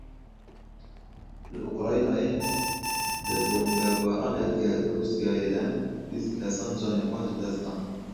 Li Ukraynayê di bombebaraneke Rûsyayê de bîst kesan canê xwe ji dest dan.